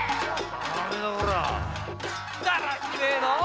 だらしねえの！